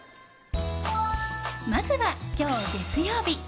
まずは今日、月曜日。